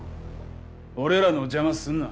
俺らの邪魔すんな。